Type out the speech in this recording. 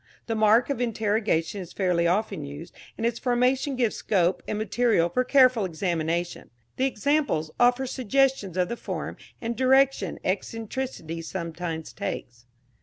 The mark of interrogation is fairly often used, and its formation gives scope and material for careful examination. The examples offer suggestions of the form and direction eccentricity sometimes takes.